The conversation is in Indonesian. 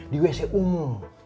di wc umu